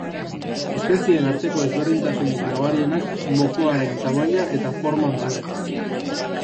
Espezieen arteko ezberdintasunik nabarienak mokoaren tamainan eta forman daude.